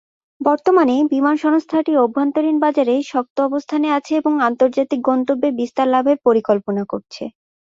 বর্তমানে বিমান সংস্থাটি অভ্যন্তরীন বাজারে শক্ত অবস্থানে আছে এবং আন্তর্জাতিক গন্তব্যে বিস্তার লাভের পরিকল্পনা করছে।